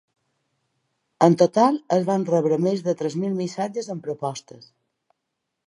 En total, es van rebre més de tres mil missatges amb propostes.